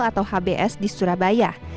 atau hbs di surabaya